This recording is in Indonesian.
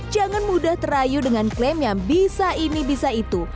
jangan mudah terayu dengan klaim yang bisa ini bisa itu